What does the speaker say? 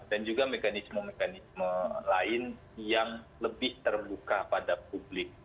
dan juga mekanisme mekanisme lain yang lebih terbuka pada publik